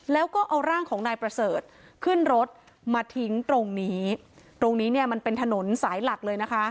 แล้วก็เอาร่างของนายประเสริฐขึ้นรถมาทิ้งตรงนี้ตรงนี้เนี่ยมันเป็นถนนสายหลักเลยนะคะ